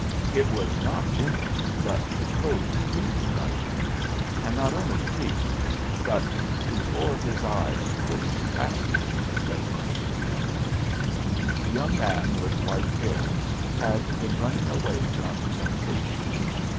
It was not Jimmie, but the code preached by Jimmie, and not only preached but before his eyes put into practice, that interested him. The young man with white hair had been running away from temptation.